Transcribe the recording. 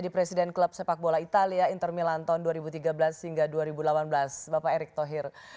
di presiden klub sepak bola italia inter milanton dua ribu tiga belas hingga dua ribu delapan belas bapak erick thohir